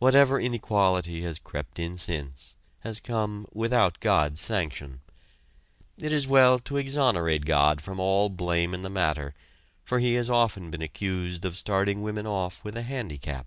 Whatever inequality has crept in since, has come without God's sanction. It is well to exonerate God from all blame in the matter, for He has been often accused of starting women off with a handicap.